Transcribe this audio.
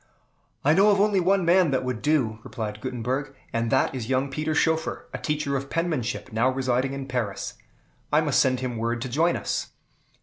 "I know of only one man that would do," replied Gutenberg, "and that is young Peter Schoeffer, a teacher of penmanship, now residing in Paris. I must send him word to join us."